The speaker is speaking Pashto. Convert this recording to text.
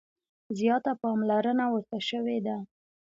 زیاته پاملرنه ورته شوې ده.